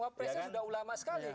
wah presnya sudah ulama sekali gitu